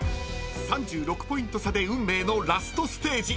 ［３６ポイント差で運命のラストステージ］